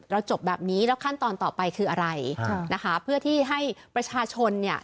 จบแบบนี้แล้วขั้นตอนต่อไปคืออะไรนะคะเพื่อที่ให้ประชาชนเนี่ย